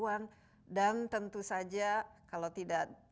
satu ratus tiga puluh an dan tentu saja kalau tidak